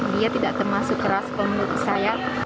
dia tidak termasuk keras kalau menurut saya